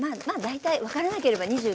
まあ大体分からなければ２５℃で。